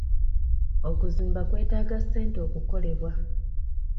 Okuzimba kwetaaga ssente okukolebwa.